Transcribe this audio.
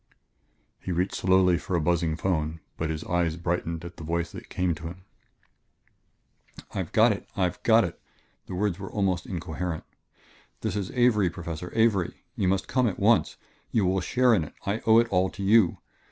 He reached slowly for a buzzing phone, but his eyes brightened at the voice that came to him. "I've got it I've got it!" The words were almost incoherent. "This is Avery, Professor Avery! You must come at once. You will share in it; I owe it all to you